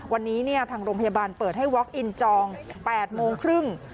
วันนี้เนี้ยทางโรงพยาบาลเปิดให้จองแปดโมงครึ่ง